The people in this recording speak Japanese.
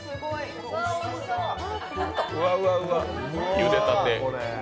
ゆでたて。